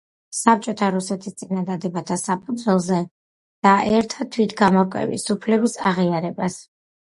საბჭოთა რუსეთის წინადადებათა საფუძველზე და ერთა თვითგამორკვევის უფლების აღიარებას.